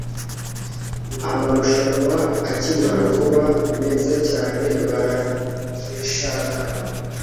amarushanwa akimara kuba meza cyane, barashaka